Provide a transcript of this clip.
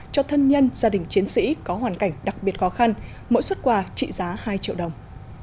cho thân nhân gia đình chiến sĩ có hoàn cảnh đặc biệt khó khăn mỗi xuất quà trị giá hai triệu đồng